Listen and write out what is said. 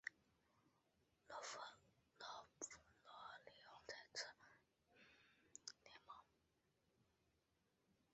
罗娑陀利再次遣使至兰纳与掸族地区寻求联盟。